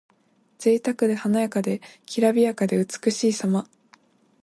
ぜいたくで華やかで、きらびやかで美しいさま。